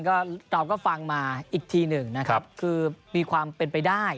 ก็เราก็ฟังมาอีกทีหนึ่งนะครับคือมีความเป็นไปได้